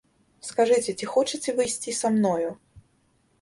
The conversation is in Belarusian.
Скажыце, ці хочаце вы ісці са мной?